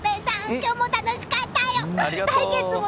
今日も楽しかったよ！